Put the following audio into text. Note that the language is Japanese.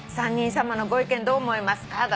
「３人さまのご意見どう思いますか？」